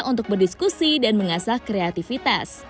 untuk berdiskusi dan mengasah kreativitas